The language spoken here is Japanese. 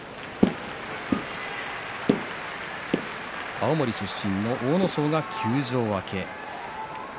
青森出身の阿武咲が休場明け。